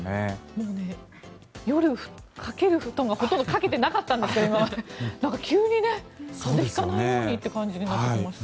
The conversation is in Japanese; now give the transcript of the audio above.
もう、夜、かける布団が今までほとんどかけてなかったんですけどなんか急に風邪引かないようにって感じになってきました。